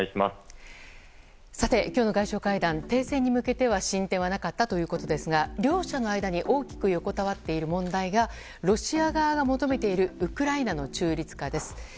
今日の外相会談、停戦に向けては進展がなかったということですが両者の間に大きく横たわっている問題がロシア側が求めているウクライナの中立化です。